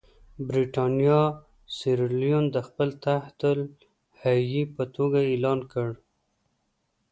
برېټانیا سیریلیون د خپل تحت الحیې په توګه اعلان کړ.